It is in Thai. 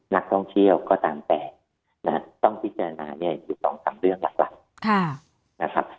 นักท่องเชี่ยวก็ตามแต่ท่องพิจารณาอยู่ต่อตามเรื่องหลัก